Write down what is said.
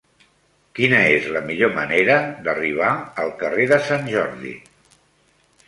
Quina és la millor manera d'arribar al carrer de Sant Jordi?